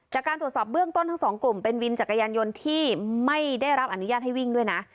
จากการตรวจสอบเบื้องต้นทั้งสองกลุ่มเป็นวินจักรยานยนต์ที่ไม่ได้รับอนุญาตให้วิ่งด้วยนะ